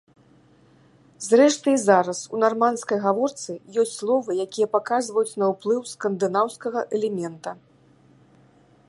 Зрэшты, і зараз у нармандскай гаворцы ёсць словы, якія паказваюць на ўплыў скандынаўскага элемента.